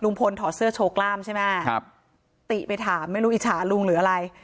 ถอดเสื้อโชว์กล้ามใช่ไหมครับติไปถามไม่รู้อิจฉาลุงหรืออะไร